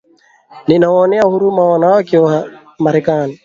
nina waonea huruma wanawake wa Marekani